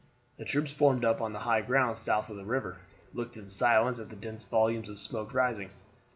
The troops, formed up on the high grounds south of the river, looked in silence at the dense volumes of smoke rising.